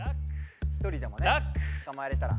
１人でもねつかまえれたら。